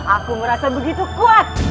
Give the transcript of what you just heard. aku merasa begitu kuat